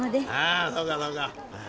あそうかそうか。